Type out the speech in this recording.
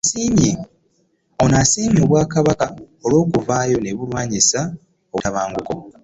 Ono asiimye Obwakabaka olw’okuvaayo ne balwanyisa obutabanguko